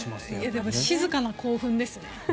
でも静かな興奮ですね。